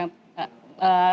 tentu provinsi punya kebenaran ya